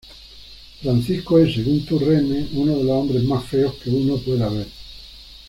Francisco es, según Turenne ""uno de los hombres más feos que uno pueda ver"".